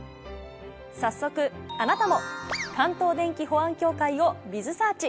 早速あなたも関東電気保安協会をｂｉｚｓｅａｒｃｈ。